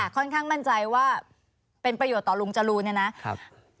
ค่อนข้างมั่นใจว่าเป็นประโยชน์ต่อลุงจรูนเนี่ยนะครับ